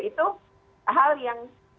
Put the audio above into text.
itu hal yang